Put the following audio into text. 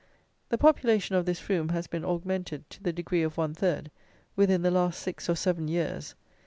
The population of this Frome has been augmented to the degree of one third within the last six or seven years.